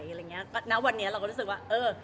ถึงวันนี้เราก็รู้สึกว่า